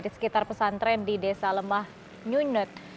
di sekitar pesantren di desa lemah nyunnet